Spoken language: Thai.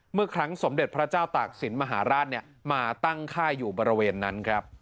เมื่อครั้งสมเด็จพระเจ้าตากศิลปมหาราชมาตั้งค่ายอยู่บริเวณนั้นครับ